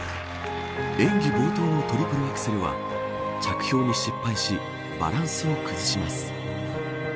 演技冒頭のトリプルアクセルは着氷に失敗しバランスを崩します。